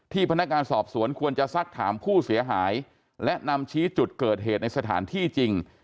พนักงานสอบสวนควรจะสักถามผู้เสียหายและนำชี้จุดเกิดเหตุในสถานที่จริง